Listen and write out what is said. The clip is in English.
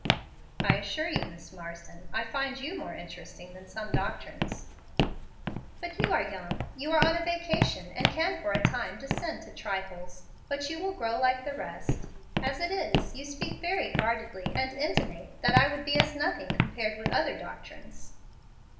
"I assure you, Miss Marsden, I find you more interesting than some doctrines." "But you are young. You are on a vacation, and can for a time descend to trifles, but you will grow like the rest. As it is, you speak very guardedly, and intimate that I would be as nothing compared with other doctrines."